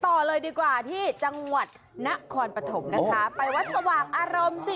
ต่อเลยดีกว่าที่จังหวัดนครปฐมนะคะไปวัดสว่างอารมณ์สิ